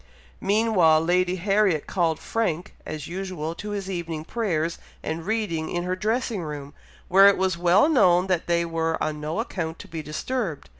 Meantime, Lady Harriet called Frank, as usual, to his evening prayers and reading in her dressing room, where it was well known that they were on no account to be disturbed.